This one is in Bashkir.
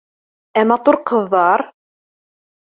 — Ә матур ҡыҙҙар?